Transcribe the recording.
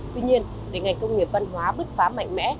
tuy nhiên để ngành công nghiệp văn hóa bứt phá mạnh mẽ